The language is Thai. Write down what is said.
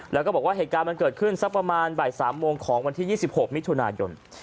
แล้วก็บอกว่าเหตุการณ์มันเกิดขึ้นสักประมาณบ่าย๓โมงของวันที่๒๖มิถุนายน